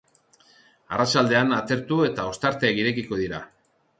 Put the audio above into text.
Arratsaldean atertu eta ostarteak irekiko dira.